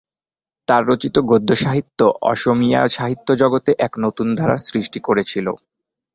তার রচিত গদ্য সাহিত্য অসমীয়া সাহিত্য জগতে এক নতুন ধারার সৃষ্টি করেছিল।